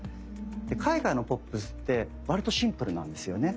で海外のポップスってわりとシンプルなんですよね。